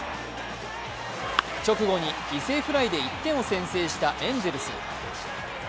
直後に犠牲フライで１点を先制したエンゼルス。